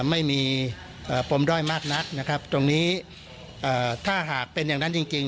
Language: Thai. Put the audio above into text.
ไม่มีปมด้อยมากนักนะครับตรงนี้ถ้าหากเป็นอย่างนั้นจริง